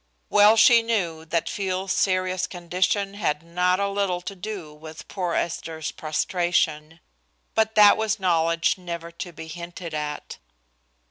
Well she knew that Field's serious condition had not a little to do with poor Esther's prostration, but that was knowledge never to be hinted at.